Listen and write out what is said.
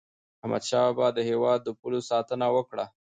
احمد شاه بابا د هیواد د پولو ساتنه وکړه.